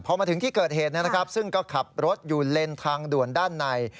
พอมาถึงที่เกิดเหตุนะครับซึ่งก็ขับรถอยู่เลนทางด่วนด้านใน